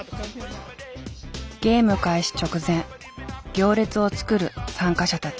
ゲーム開始直前行列を作る参加者たち。